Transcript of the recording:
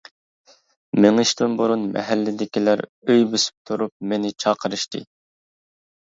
مېڭىشتىن بۇرۇن مەھەللىدىكىلەر ئۆي بېسىپ تۇرۇپ مېنى چاقىرىشتى.